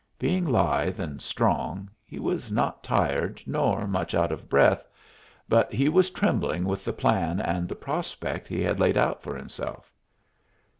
Being lithe and strong, he was not tired nor much out of breath, but he was trembling with the plan and the prospect he had laid out for himself.